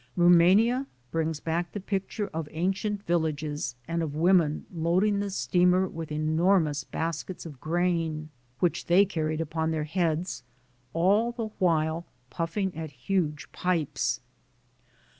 Roumania brings back the picture of an cient villages and of women loading the steamer with enormous baskets of grain which they carried upon their heads, all the while puffing at huge pipes.